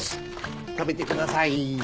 食べてください。